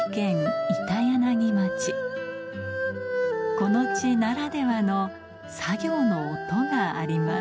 この地ならではの作業の音があります